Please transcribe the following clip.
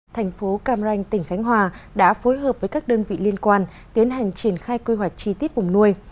thành phố cam ranh tỉnh khánh hòa đã phối hợp với các đơn vị liên quan tiến hành triển khai quy hoạch chi tiết vùng nuôi